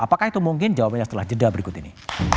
apakah itu mungkin jawabannya setelah jeda berikut ini